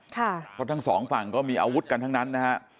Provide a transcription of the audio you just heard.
เพราะทั้งสองฝั่งก็มีอาวุธกันทั้งนั้นนะฮะ